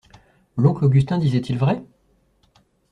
L'oncle Augustin disait-il vrai?